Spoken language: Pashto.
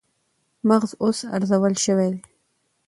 مغز اوس ارزول شوی دی